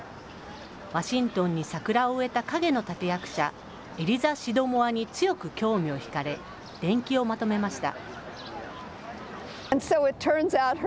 ワシントンに桜を植えた影の立て役者、エリザ・シドモアに強く興味を引かれ、伝記をまとめました。